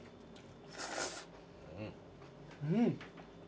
うん。